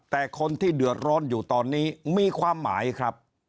แต่คนที่เดือดร้อนอยู่ตอนนี้มีความหมายครับ